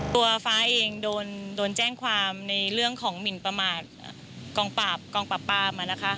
ตัวฟ้าเองโดนแจ้งความในเรื่องของหมินประมาทกองปราบกองปราบปราม